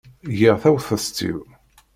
Giɣ taɣtest-iw.